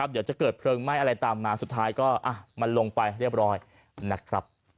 เดี๋ยวจะเกิดเพลิงไหม้อะไรตามมาสุดท้ายก็มันลงไปเรียบร้อยนะครับ